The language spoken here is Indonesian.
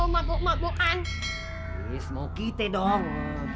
mau kita dong